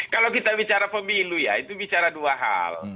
kalau kita bicara pemilu ya itu bicara dua hal